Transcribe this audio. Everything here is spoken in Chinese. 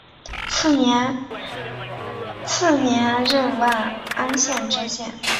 次年任万安县知县。